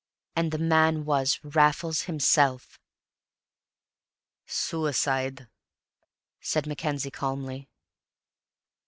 And the man was Raffles himself! "Suicide," said Mackenzie calmly.